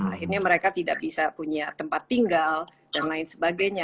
akhirnya mereka tidak bisa punya tempat tinggal dan lain sebagainya